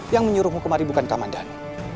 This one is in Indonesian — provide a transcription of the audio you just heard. yang menyuruhmu kemari bukan kamandan